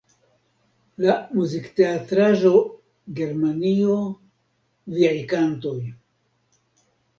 La muzikteatraĵo Germanio, viaj kantoj!